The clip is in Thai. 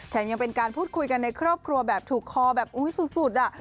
แถมยังเป็นการพูดคุยกันในครอบครัวถูกคอแบบสุด